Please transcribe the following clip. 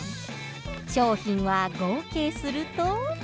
商品は合計すると。